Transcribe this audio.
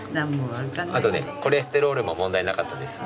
あとねコレステロールも問題なかったです。